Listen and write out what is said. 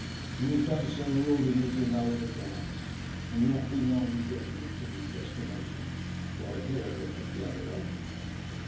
When he had done so he ordered me to lower the glass, and not be long in getting him to his destination or Fd hear of it at the other end.